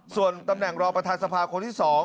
ส่วนตำแหน่งรองประธานสภาคนที่๒